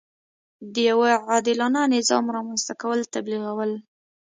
د یوه عادلانه نظام رامنځته کول تبلیغول.